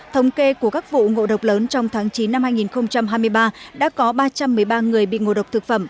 thống kê của các vụ ngộ độc lớn trong tháng chín năm hai nghìn hai mươi ba đã có ba trăm một mươi ba người bị ngộ độc thực phẩm